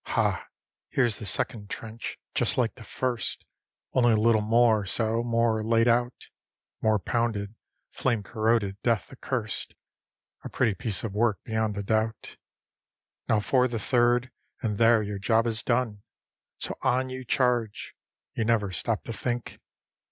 Ha! here's the second trench just like the first, Only a little more so, more "laid out"; More pounded, flame corroded, death accurst; A pretty piece of work, beyond a doubt. Now for the third, and there your job is done, SO ON YOU CHARGE. You never stop to think.